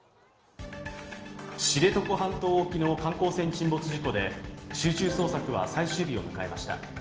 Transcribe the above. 知床半島沖の観光船沈没事故で集中捜索は最終日を迎えました。